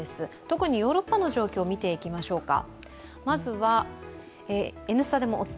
特にヨーロッパの状況を見ていきましょうか。